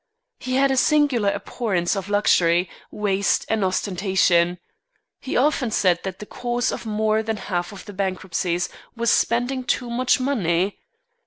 He had a singular abhorrence of luxury, waste, and ostentation. He often said that the cause of more than half the bankruptcies was spending too much money.